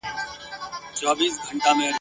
لس او پنځه لس او پنځوس کلونه وکړېدو !.